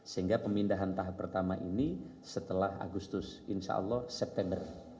sehingga pemindahan tahap pertama ini setelah agustus insya allah september